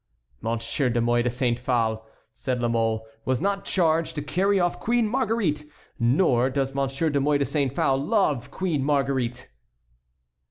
"Monsieur de Mouy de Saint Phale," said La Mole, "was not charged to carry off Queen Marguerite! Nor does Monsieur de Mouy de Saint Phale love Queen Marguerite!"